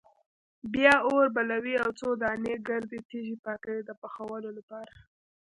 بیا اور بلوي او څو دانې ګردې تیږې پاکوي د پخولو لپاره.